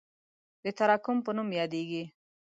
د تراکم په نوم یادیږي.